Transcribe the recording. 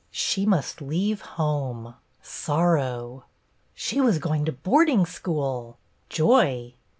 She must leave home. Sorrow ! She was going to boarding school. Joy!